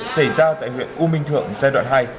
xảy ra tại huyện u minh thượng giai đoạn hai